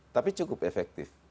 tapi cukup efektif